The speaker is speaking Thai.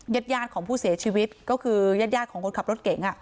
ญาติของผู้เสียชีวิตก็คือญาติของคนขับรถเก๋ง